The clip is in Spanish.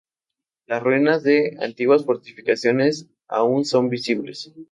Las ruinas de antiguas fortificaciones son aún visibles.